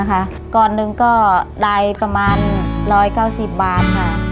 ก่อนหนึ่งก็ได้ประมาณ๑๙๐บาทค่ะ